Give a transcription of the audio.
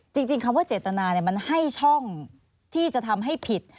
จริงคำว่าเจตนามันให้ช่องที่จะทำให้ผิด